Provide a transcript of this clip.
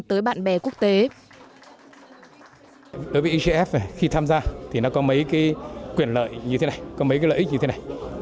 đối với igf khi tham gia thì nó có mấy cái quyền lợi như thế này có mấy cái lợi ích như thế này